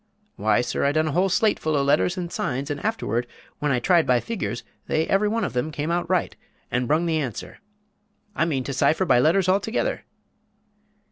Why, sir, I done a whole slate full of letters and signs; and afterward, when I tried by figures, they every one of them came out right and brung the answer! I mean to cypher by letters altogether."